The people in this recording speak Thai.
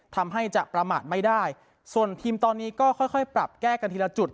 ทำให้จะประมาทไม่ได้ส่วนทีมตอนนี้ก็ค่อยค่อยปรับแก้กันทีละจุด